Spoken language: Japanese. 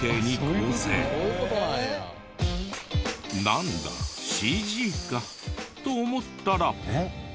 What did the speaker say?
なんだＣＧかと思ったら。